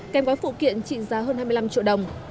kèm gói phụ kiện trị giá hơn hai mươi năm triệu đồng